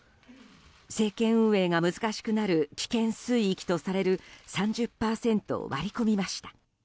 政権運営が難しくなる危険水域とされる３０％を割り込みました。